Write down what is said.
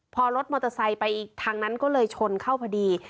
พอรถมอเตอร์ไซค์ไปทางนั้นก็เลยชนเข้าพอดี